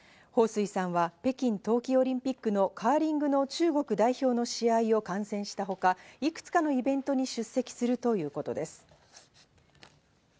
ホウ・スイさんは北京冬季オリンピックのカーリングの中国代表の試合を観戦したほか、いくつかのイベントに出席するということです。